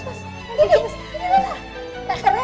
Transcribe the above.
ini kakak rena